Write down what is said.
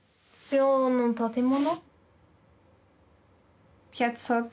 寮の建物。